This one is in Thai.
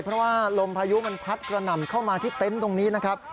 เพราะว่าลมพายุมันพัดกระหน่ำเข้ามาที่เต็นต์ตรงนี้นะครับ